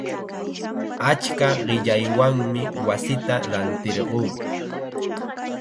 Achka qillaywanmi wasita rantirquu.